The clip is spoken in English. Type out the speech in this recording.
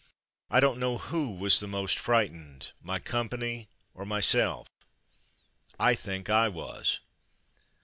I don't know who was the most frightened, my company or myself. (I think I was.)